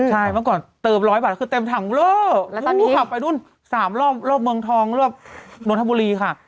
ใช่เมื่อก่อนเติม๑๐๐บาทคือเต็มถังเยอะขับไปนู่น๓รอบรอบเมืองทองรอบโรงธรรมบุรีค่ะ